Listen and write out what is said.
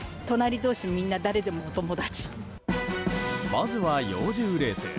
まずは幼獣レース。